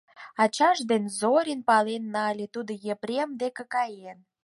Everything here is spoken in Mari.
Ачаж деч Зорин пален нале, тудо Епрем дек каен.